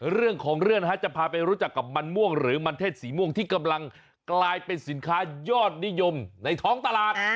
เรื่องของเรื่องนะฮะจะพาไปรู้จักกับมันม่วงหรือมันเทศสีม่วงที่กำลังกลายเป็นสินค้ายอดนิยมในท้องตลาด